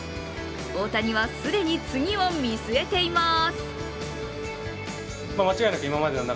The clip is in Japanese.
大谷は既に次を見据えています。